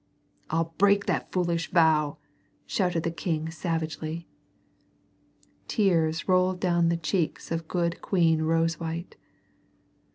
"I'll break that foolish vow!" shouted the king savagely. Tears rolled down the cheeks of good Queen Rosewhite.